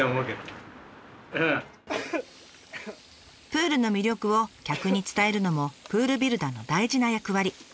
プールの魅力を客に伝えるのもプールビルダーの大事な役割。